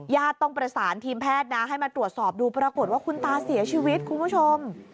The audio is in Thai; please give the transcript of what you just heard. ต้องประสานทีมแพทย์นะให้มาตรวจสอบดูปรากฏว่าคุณตาเสียชีวิตคุณผู้ชม